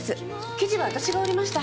生地は私が織りました。